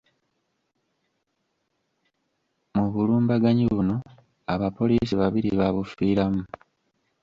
Mu bulumbaganyi buno abapoliisi babiri baabufiiramu.